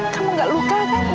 kamu gak luka kan